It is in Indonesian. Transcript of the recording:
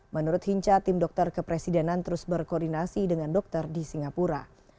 menurut hinca tim dokter kepresidenan terus berkoordinasi dengan dokter di singapura